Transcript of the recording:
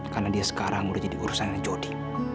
karena dia sekarang udah jadi urusan yang jodi